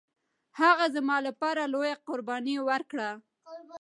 هغه زما لپاره لويه قرباني ورکړه